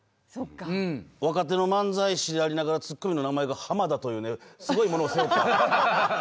若手の漫才師でありながら、ツッコミの名前が浜田というね、すごいものを背負った。